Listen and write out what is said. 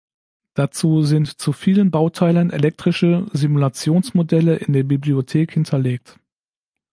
Dazu sind zu vielen Bauteilen elektrische Simulationsmodelle in der Bibliothek hinterlegt.